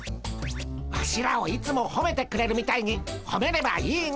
ワシらをいつもほめてくれるみたいにほめればいいんでゴンス。